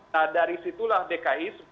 nah dari situlah dki